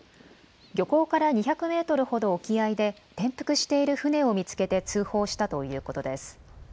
漁港から２００メートルほど沖合で転覆している船を見つけて通報したということです。